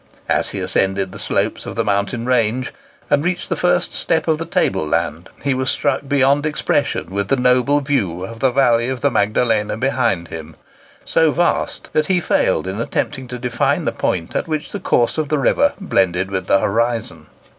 As he ascended the slopes of the mountain range, and reached the first step of the table land, he was struck beyond expression with the noble view of the valley of the Magdalena behind him, so vast that he failed in attempting to define the point at which the course of the river blended with the horizon.